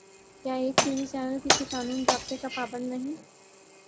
کیا ایک T V channel کسی قانون ضابطے کا پابند نہیں؟